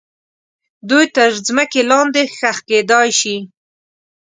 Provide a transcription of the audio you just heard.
دوی تر مځکې لاندې ښخ کیدای سي.